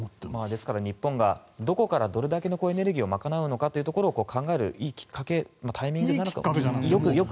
ですから、日本がどこからどれだけのエネルギーを賄うのかというところを考えるいいきっかけタイミングかと。